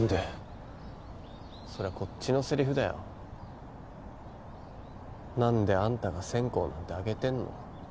・それはこっちのセリフだよ・なんであんたが線香なんて上げてんの。